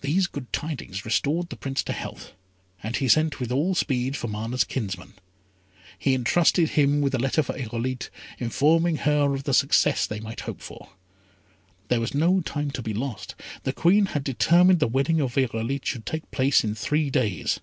These good tidings restored the Prince to health, and he sent with all speed for Mana's kinsman. He entrusted him with a letter for Irolite, informing her of the success they might hope for. There was no time to be lost. The Queen had determined the wedding of Irolite should take place in three days.